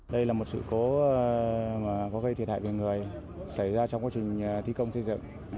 đây là một sự cố có gây thiệt hại về người xảy ra trong quá trình thi công xây dựng